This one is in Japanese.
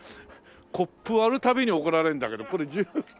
コップ割る度に怒られるんだけどこれ１０円。